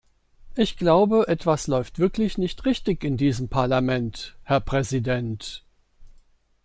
Ich glaube, etwas läuft wirklich nicht richtig in diesem Parlament, Herr Präsident.